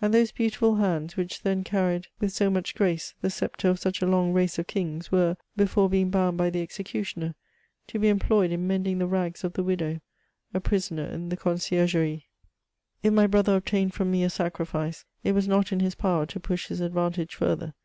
And those beautiful hands which then carried with so much grace 172 MEMOIRS OF the sceptre of such a long race of kings, were, before being bound by the executioner, to be employed in mending the rags of the widow, a prisoner in the Conciergerie I If my brother obtained from me a sacrifice, it was not in his power to push his advantage further.